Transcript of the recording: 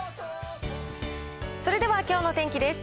それではきょうの天気です。